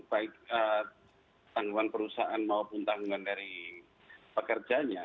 baik tanggungan perusahaan maupun tanggungan dari pekerjanya